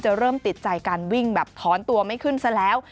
เริ่มติดใจการวิ่งแบบถอนตัวไม่ขึ้นซะแล้ว